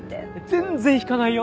全然引かないよ！